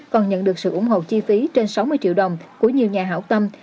còn nhận được sự ủng hộ chi phí trên sáu mươi triệu đồng của nhiều nhà hảo tâm